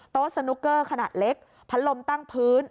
สนุกเกอร์ขนาดเล็กพัดลมตั้งพื้น